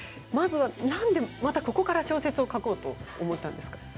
まずは、なんでまたここから小説を書こうと思ったんですか？